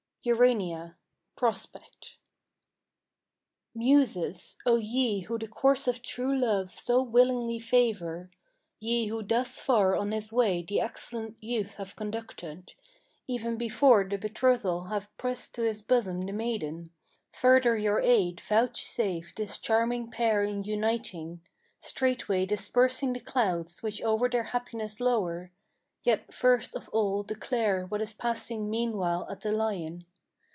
URANIA PROSPECT Muses, O ye who the course of true love so willingly favor, Ye who thus far on his way the excellent youth have conducted, Even before the betrothal have pressed to his bosom the maiden; Further your aid vouchsafe this charming pair in uniting, Straightway dispersing the clouds which over their happiness lower! Yet first of all declare what is passing meanwhile at the Lion.